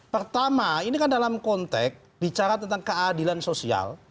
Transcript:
pertama ini kan dalam konteks bicara tentang keadilan sosial